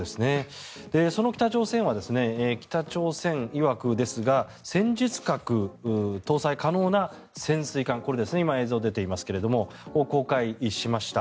その北朝鮮は北朝鮮いわくですが戦術核搭載可能な潜水艦これ、今、映像が出ていますがこれを公開しました。